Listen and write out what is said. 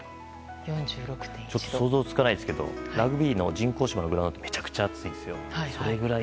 ちょっと想像つかないですけどラグビーのグラウンドもめちゃくちゃ暑いんですよ。